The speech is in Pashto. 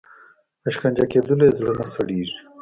په شکنجه کېدلو یې زړه نه سړیږي.